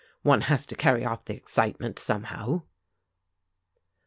One has to carry off the excitement, somehow."